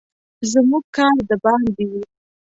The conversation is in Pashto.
زموږ کار د باندې وي.